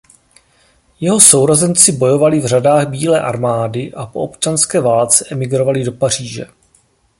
Jeho sourozenci bojovali v řadách bílé armády a po občanské válce emigrovali do Paříže.